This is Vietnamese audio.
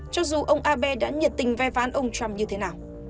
cho dù ông abe đã nhiệt tình ve ván ông trump như thế nào